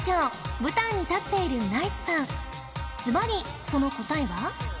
ずばりその答えは？